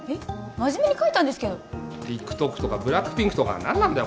真面目に書いたんですけどＴｉｋＴｏｋとかＢＬＡＣＫＰＩＮＫとか何なんだよ